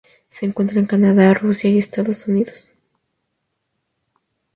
Se encuentra en Canadá, Rusia y Estados Unidos.